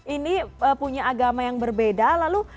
ini punya agama yang berbeda lalu